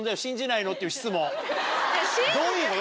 どういうこと？